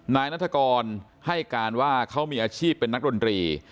นายนัฐกรให้การว่าเขามีอาชีพเป็นนักดนตรี